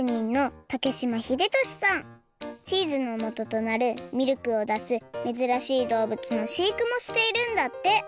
チーズのもととなるミルクをだすめずらしいどうぶつのしいくもしているんだって。